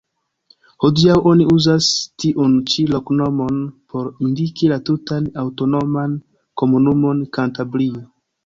Hodiaŭ oni uzas tiun ĉi loknomon por indiki la tutan aŭtonoman komunumon Kantabrio.